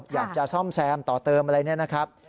อยากจะซ่อมแซมต่อเติมอะไรเนี่ยนะครับ